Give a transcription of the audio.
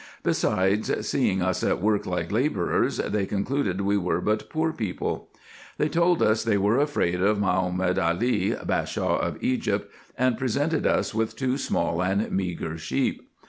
Besides, seeing us at work like labourers, they concluded we were but poor people. They told us they were afraid of Mahomed Ah, Bashaw of Egypt, and presented us with two small and meager sheep.